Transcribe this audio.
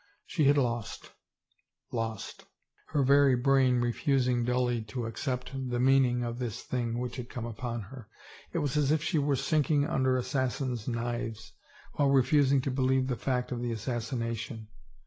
She had lost — lost. She said it over to herself in a dazed way, her very brain refusing dully to accept the meaning of this thing which had come upon her. It was as if she were sinking under assassins' knives while refusing to be lieve the fact of the assassination.